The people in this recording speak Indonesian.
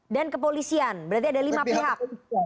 dan kepolisian berarti ada lima pihak